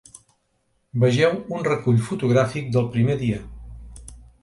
Vegeu un recull fotogràfic del primer dia.